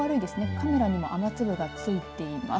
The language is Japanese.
カメラにも雨粒がついています。